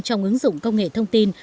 trong ứng dụng công nghệ thông tin